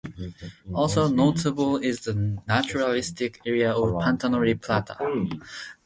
Also notable is the naturalistic area of Pantano-Ripalta.